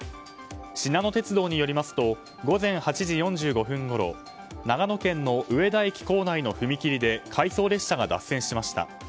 しなの鉄道によりますと午前８時４５分ごろ長野県の上田駅構内の踏切で回送列車が脱線しました。